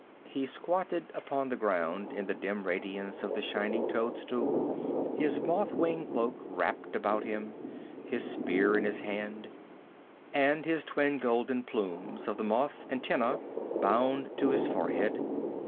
He squatted upon the ground in the dim radiance of the shining toadstool, his moth wing cloak wrapped about him, his spear in his hand, and his twin golden plumes of the moth's antennæ bound to his forehead.